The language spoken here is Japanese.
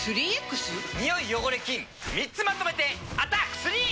ニオイ・汚れ・菌３つまとめて「アタック３Ｘ」！